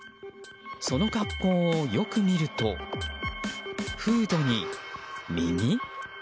その格好をよく見るとフードに耳？